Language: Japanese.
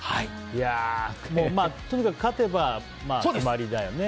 とにかく勝てば決まりだよね。